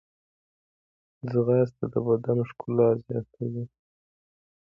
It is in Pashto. ځغاسته د بدن ښکلا زیاتوي